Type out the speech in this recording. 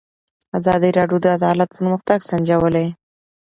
ازادي راډیو د عدالت پرمختګ سنجولی.